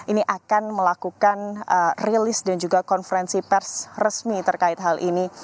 ini akan melakukan rilis dan juga konferensi pers resmi terkait hal ini